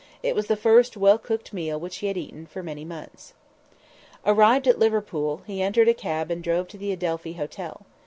It was the first well cooked meal which he had eaten for many months. Arrived at Liverpool, he entered a cab and drove to the Adelphi Hotel.